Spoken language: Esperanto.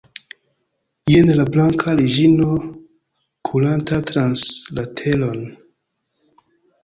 Jen la Blanka Reĝino kuranta trans la teron!